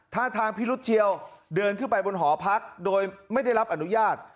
ท่าทางพิรุษเจียวเดินขึ้นไปบนหอพักโดยไม่ได้รับอนุญาต